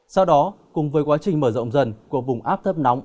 sau đó cùng với quá trình mở rộng dần của vùng áp thấp nóng